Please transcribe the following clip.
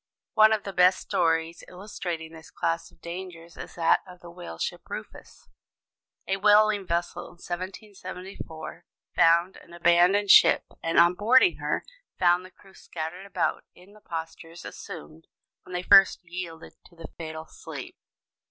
One of the best stories illustrating this class of dangers is that of the whaleship Rufus. A whaling vessel in 1774 found an abandoned ship; and on boarding her, found the crew scattered about in the postures assumed when they first yielded to the fatal sleep.